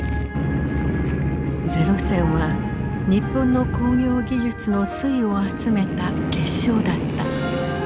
零戦は日本の工業技術の粋を集めた結晶だった。